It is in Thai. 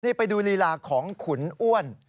นี่ไปดูลีลาของขุนอ้วน